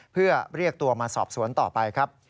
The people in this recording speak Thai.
เพื่อเรียกตัวมาสอบสวนต่อไปครับ